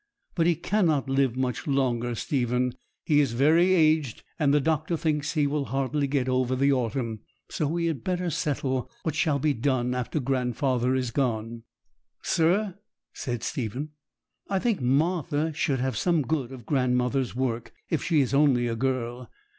But he cannot live much longer, Stephen; he is very aged, and the doctor thinks he will hardly get over the autumn. So we had better settle what shall be done after grandfather is gone.' 'Sir,' said Stephen, 'I think Martha should have some good of grandmother's work, if she is only a girl.